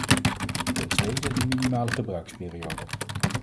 Ten tweede de minimale gebruiksperiode.